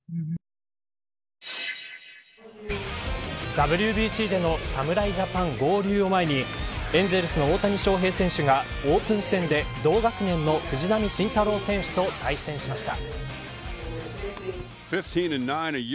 ＷＢＣでの侍ジャパン合流を前にエンゼルスの大谷翔平選手がオープン戦で同学年の藤浪晋太郎選手と対戦しました。